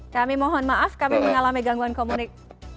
kami mohon maaf kami mengalami gangguan komunik